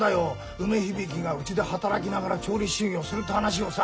梅響がうちで働きながら調理師修業をするって話をさ。